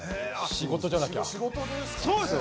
仕事じゃなきゃ。